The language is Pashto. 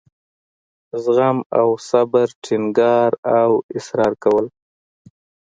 زغم او صبر ټینګار او اصرار کول.